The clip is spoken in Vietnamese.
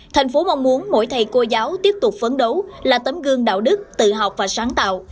thành phố mong muốn mỗi thầy cô giáo tiếp tục phấn đấu là tấm gương đạo đức tự học và sáng tạo